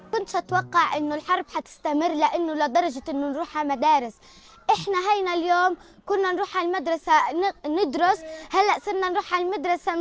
kami pernah pergi ke sekolah untuk belajar sekarang kita pergi ke sekolah untuk mencuci air dan makan